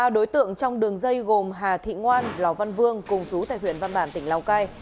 ba đối tượng trong đường dây gồm hà thị ngoan lò văn vương cùng chú tại huyện văn bản tỉnh lào cai